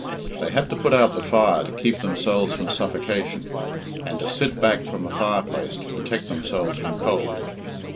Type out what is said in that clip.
They had to put out the fire to keep themselves from suffocation, and to sit back from the fireplace to protect themselves from cold.